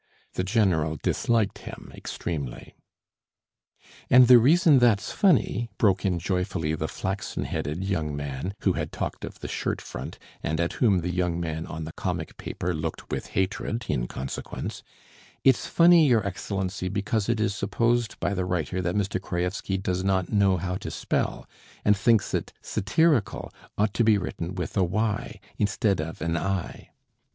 The general disliked him extremely. "And the reason that's funny," broke in joyfully the flaxen headed young man, who had talked of the shirt front and at whom the young man on the comic paper looked with hatred in consequence, "it's funny, your Excellency, because it is supposed by the writer that Mr. Kraevsky does not know how to spell, and thinks that 'satirical' ought to be written with a 'y' instead of an 'i.'"